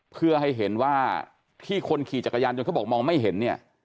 เพื่อให้เห็นว่าที่คนขี่จักรยานยนต์เขาบอกมองไม่เห็นเนี่ย